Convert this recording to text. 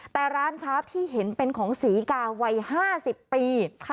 แต่ร้านค้าที่เห็นเป็นของศรีกาวัย๕๐ปี